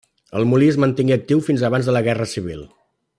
El molí es mantingué actiu fins abans de la Guerra Civil.